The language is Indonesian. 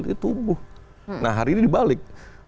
itu tumbuh nah hari ini dibalik